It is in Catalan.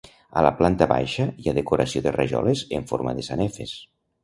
A la planta baixa hi ha decoració de rajoles en forma de sanefes.